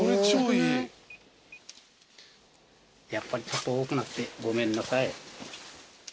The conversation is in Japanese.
やっぱりちょっと多くなってごめんなさい。